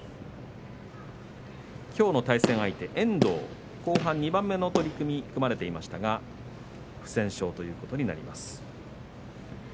きょうの対戦相手、遠藤後半２番目に取組が組まれていましたが、不戦勝ということになります。